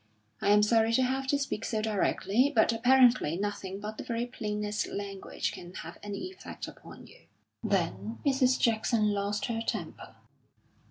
I am sorry to have to speak so directly, but apparently nothing but the very plainest language can have any effect upon you." Then Mrs. Jackson lost her temper.